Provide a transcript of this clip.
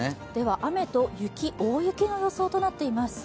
雨と雪、大雪の予想となっています。